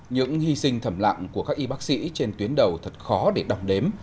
những hy sinh thẩm lạng của các y bác sĩ trên tuyến đầu thật khó để đọc đếm